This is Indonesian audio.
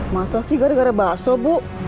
masak sih gara gara bakso bu